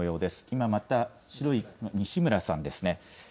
今また西村さんですね。